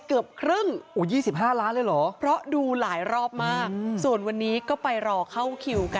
ก็เลยมารอดูอย่างอื่นด้วยแล้วก็นี่รอเข้าแถวค่ะ